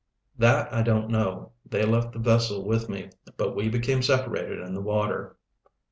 "That I don't know. They left the vessel with me, but we became separated in the water."